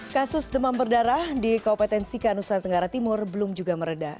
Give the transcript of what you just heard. kasus demam berdarah di kabupaten sika nusa tenggara timur belum juga meredah